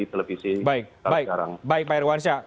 televisi sekarang baik baik baik pak irwansyah